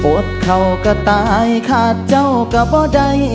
อดเขาก็ตายขาดเจ้าก็บ่ใด